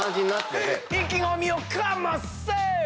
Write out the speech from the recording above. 意気込みをかませ！